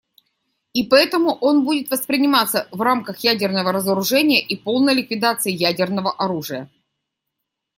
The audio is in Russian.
И поэтому он будет восприниматься в рамках ядерного разоружения и полной ликвидации ядерного оружия.